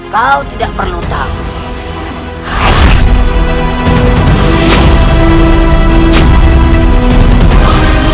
kau tidak perlu tahu